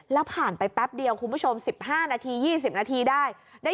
แล้วผ่านไปแป๊บเดียวคุณผู้ชม๑๕นาที๒๐นาทีได้